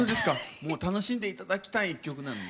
もう楽しんで頂きたい一曲なので。